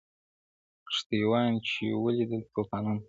کښتۍ وان چي وه لیدلي توپانونه-